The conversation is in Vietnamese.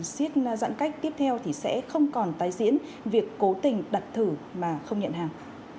siết giãn cách tiếp theo thì sẽ không còn tái diễn việc cố tình đặt thử mà không nhận hàng